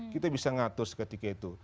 kita bisa mengatur seketika itu